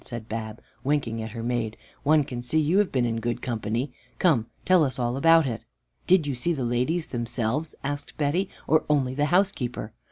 said Bab, winking at her maid. "One can see you have been in good company. Come, tell us all about it." "Did you see the ladies themselves," asked Betty, "or only the housekeeper?"